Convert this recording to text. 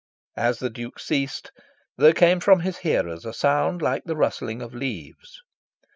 As the Duke ceased, there came from his hearers a sound like the rustling of leaves.